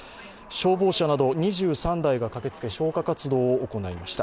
消防車など２３台が駆けつけ消火活動を行いました。